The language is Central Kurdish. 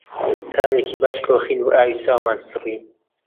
تاوێکی باش کۆخین و ئاوی چاومان سڕی